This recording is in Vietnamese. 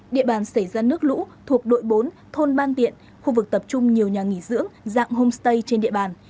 địa bàn xảy ra nước lũ thuộc đội bốn thôn ban tiện khu vực tập trung nhiều nhà nghỉ dưỡng dạng homestay trên địa bàn